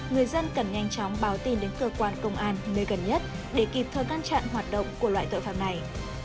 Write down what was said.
người dân cần nhanh chóng báo tin đến cơ quan công an nơi gần nhất để kịp thơ căn trạn hoạt động của loại tội phạm này